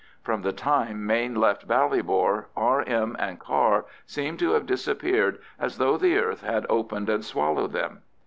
From the time Mayne left Ballybor, R.M. and car seemed to have disappeared as though the earth had opened and swallowed them.